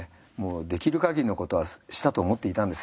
できる限りのことはしたと思っていたんです。